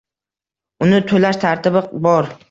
Uni toʻlash tartibi bor